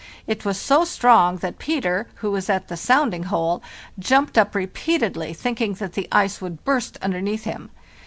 It was so strong that Peter, who was at the sounding hole, jumped up repeatedly, thinking that the ice would burst underneath him.